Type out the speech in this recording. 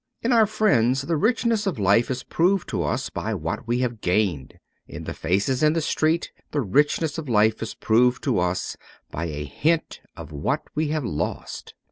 In our friends the richness of life is proved to us by what we have gained ; in the faces in the street the richness of life is proved to us by a hint of what we have lost.